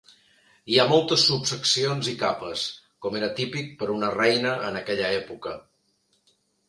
Hi ha moltes subseccions i capes, com era típic per una reina en aquella època.